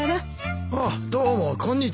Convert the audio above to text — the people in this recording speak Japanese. ああどうもこんにちは。